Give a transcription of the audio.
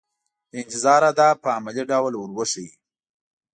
د انتظار آداب په عملي ډول ور وښيي.